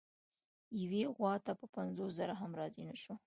یوې غوا ته په پنځوس زره هم راضي نه شو.